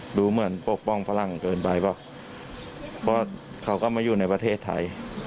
ดูเหมือนปกป้องฝรั่งเกินไปเปล่าเพราะเขาก็มาอยู่ในประเทศไทย